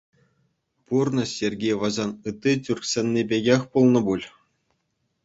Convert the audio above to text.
Пурнӑҫ йӗрки вӗсен ытти тӳрксенни пекех пулнӑ пуль?